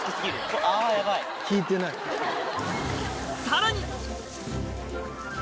さらに！